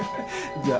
じゃあ。